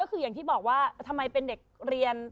ก็คืออย่างที่บอกว่าทำไมเป็นเด็กเรียน